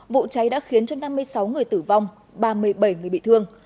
vụ cháy đã khiến cho năm mươi sáu người tử vong ba mươi bảy người bị thương